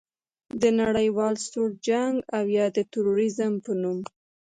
د نړیوال سوړ جنګ او یا د تروریزم په نوم